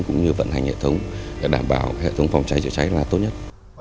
cũng như vận hành hệ thống để đảm bảo hệ thống phòng cháy chữa cháy là tốt nhất